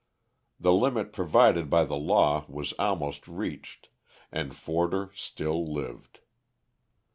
The limit provided by the law was almost reached and Forder still lived.